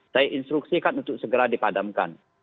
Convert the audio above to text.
saya instruksikan untuk segera dipadamkan